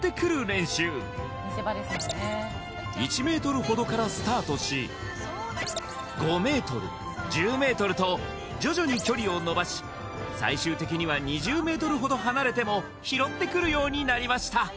練習１メートルほどからスタートし５メートル１０メートルと徐々に距離をのばし最終的には２０メートルほど離れても拾ってくるようになりました！